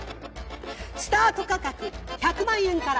スタート価格１００万円から。